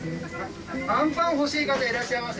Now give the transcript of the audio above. あんぱん欲しい方いらっしゃいます？